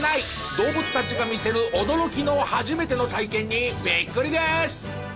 動物たちが見せる驚きの初めての体験にびっくりです。